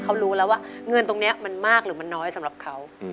เขารู้แล้วว่าเงินตรงนี้มันมากหรือมันน้อยสำหรับเขา